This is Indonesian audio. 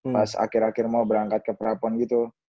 pas akhir akhir mau berangkat ke prapon gitu